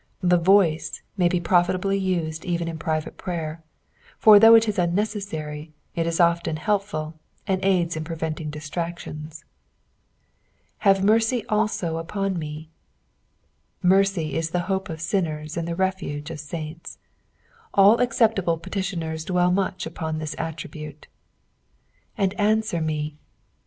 The voice may be profitably nsed even in private prayer ; for though it is unnecessary, it is o'ften helpful, and aids in preventing distractions. " Have m^ey alto vpon ms." Mercy is the hope of sinners and the refuge of saints. All acceptable petitioners dwell much upon this attribute. "And answer ma."